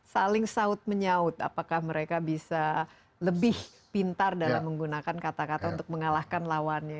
saling saud menyaut apakah mereka bisa lebih pintar dalam menggunakan kata kata untuk mengalahkan lawannya